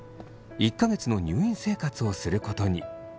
１か月の入院生活をすることに。